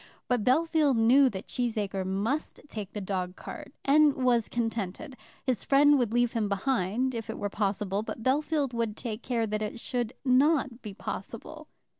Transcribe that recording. But Bellfield knew that Cheesacre must take the dog cart, and was contented. His friend would leave him behind, if it were possible, but Bellfield would take care that it should not be possible.